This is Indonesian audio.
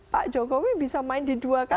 pak jokowi bisa main di dua kali